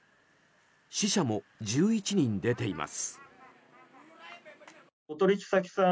死者も１１人出ています。